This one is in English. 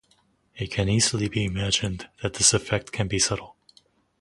It can easily be imagined that this effect can be subtle.